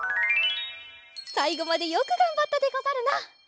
さいごまでよくがんばったでござるな。